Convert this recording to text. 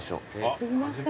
すいません。